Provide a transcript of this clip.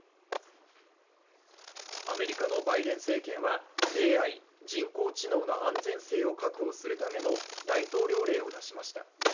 アメリカのバイデン政権はＡＩ＝人工知能の安全性を確保するための大統領令を出しました。